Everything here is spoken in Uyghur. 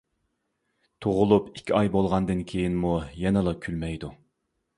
تۇغۇلۇپ ئىككى ئاي بولغاندىن كېيىنمۇ يەنىلا كۈلمەيدۇ.